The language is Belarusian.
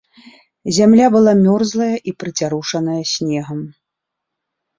Зямля была мерзлая і прыцярушаная снегам.